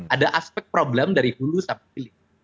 ada aspek problem dari hulu sampai hilir